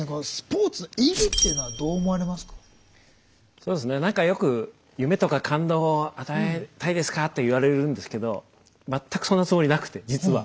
そうですね何かよく夢とか感動を与えたいですかっていわれるんですけど全くそんなつもりなくて実は。